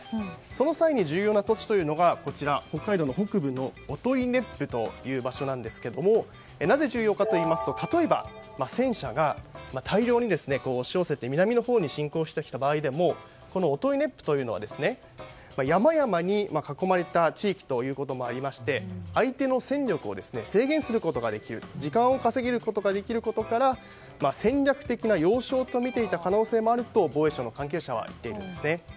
その際に重要な土地というのが北海道の北部の音威子府という場所なんですがなぜ重要かといいますと例えば戦車が大量に押し寄せて南のほうに侵攻してきた場合でもこの音威子府というのは山々に囲まれた地域ということもありまして相手の戦力を制限することができると時間を稼ぐことができることから戦略的な要衝とみていた可能性もあると防衛省の関係者は言っているんです。